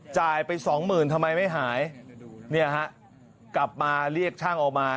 จ่ายไปสองหมื่นทำไมไม่หายเนี่ยฮะกลับมาเรียกช่างออกมา